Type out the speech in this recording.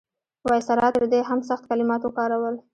وایسرا تر دې هم سخت کلمات وکارول.